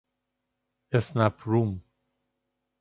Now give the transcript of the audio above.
اسنپ روم